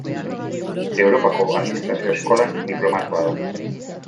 Europako administrazio eskolan diplomatua da.